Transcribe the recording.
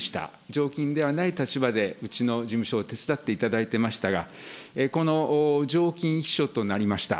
常勤ではない立場で、うちの事務所を手伝っていただいていますが、この常勤秘書となりました。